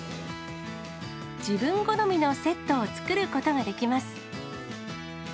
自分好みのセットを作ることができます。